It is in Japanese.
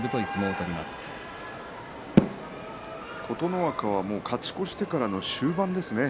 琴ノ若は勝ち越してからの終盤ですね。